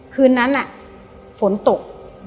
คืนนั้นฝนตก